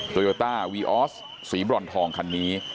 โยต้าวีออสสีบรอนทองคันนี้